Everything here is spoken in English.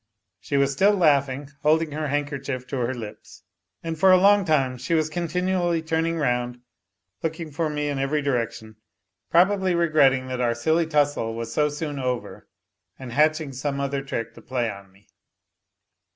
She was still laughing, holding her handkerchief to her lips. And for a long time she was continually turning round, looking for me in every direction, probably regretting that our silly tussle was so soon over, and hatching some other trick to play on me.